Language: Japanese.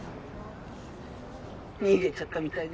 逃げちゃったみたいね。